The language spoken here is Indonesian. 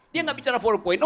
dia tidak bicara empat